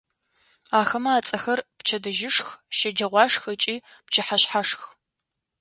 Ахэмэ ацӏэхэр: пчэдыжьышх, щэджэгъуашх ыкӏи пчыхьэшъхьашх.